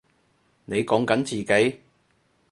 你講緊自己？